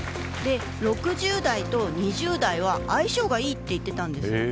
６０代と２０代は相性がいいと言っていたんです。